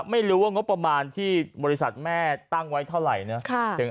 ไม่รู้ว่างบประมาณที่บริษัทแม่ตั้งไว้เท่าไหร่นะ